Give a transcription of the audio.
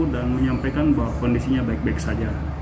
dan menyampaikan bahwa kondisinya baik baik saja